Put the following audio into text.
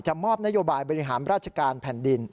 มอบนโยบายบริหารราชการแผ่นดิน